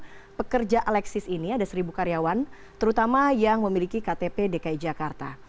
dari pekerja alexis ini ada seribu karyawan terutama yang memiliki ktp dki jakarta